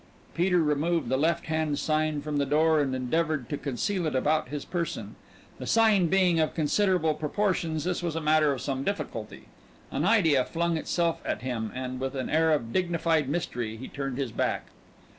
Peter removed the left hand sign from the door and endeavored to conceal it about his person. The sign being of considerable proportions, this was a matter of some difficulty. An idea flung itself at him, and with an air of dignified mystery he turned his back.